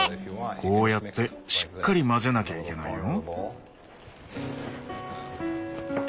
こうやってしっかり混ぜなきゃいけないよ。